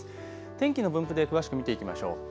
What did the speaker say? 天気の分布で詳しく見ていきましょう。